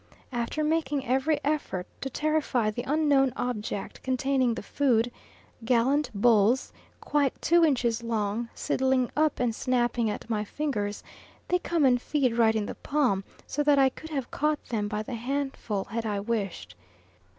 After making every effort to terrify the unknown object containing the food gallant bulls, quite two inches long, sidling up and snapping at my fingers they come and feed right in the palm, so that I could have caught them by the handful had I wished.